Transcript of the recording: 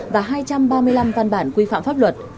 và hai trăm ba mươi năm văn bản quy phạm pháp luật